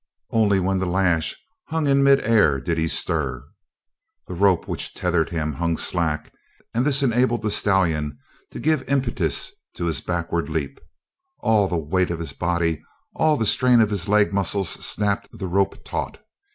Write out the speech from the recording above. Only when the lash hung in mid air did he stir. The rope which tethered him hung slack, and this enabled the stallion to give impetus to his backward leap. All the weight of his body, all the strain of his leg muscles snapped the rope taut.